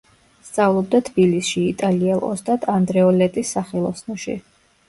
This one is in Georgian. სწავლობდა თბილისში იტალიელ ოსტატ ანდრეოლეტის სახელოსნოში.